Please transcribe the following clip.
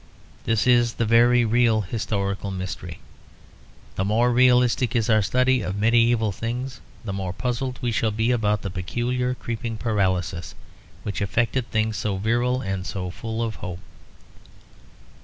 This is the very real historical mystery; the more realistic is our study of medieval things, the more puzzled we shall be about the peculiar creeping paralysis which affected things so virile and so full of hope.